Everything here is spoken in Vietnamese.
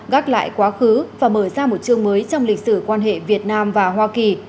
gác lại quá khứ và mở ra một chương mới trong lịch sử quan hệ việt nam và hoa kỳ